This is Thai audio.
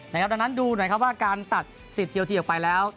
ดังนั้นดูหน่อยว่าการตัดสิทธิเทียวทีออกไปแล้ว